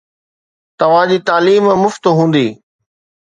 توهان جي تعليم مفت هوندي